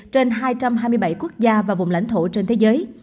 trên hai trăm hai mươi bảy quốc gia và vùng lãnh thổ trên thế giới